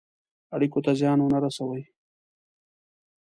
اړېکو ته زیان ونه رسوي.